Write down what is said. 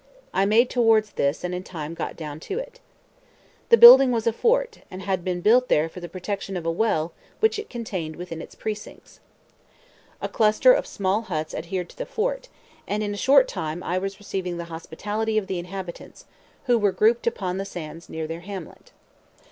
I made towards this, and in time got down to it. The building was a fort, and had been built there for the protection of a well which it contained within its precincts. A cluster of small huts adhered to the fort, and in a short time I was receiving the hospitality of the inhabitants, who were grouped upon the sands near their hamlet.